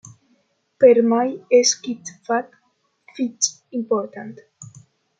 Per mai es quist fat fich important.